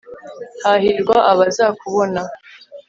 hahirwa abazakubona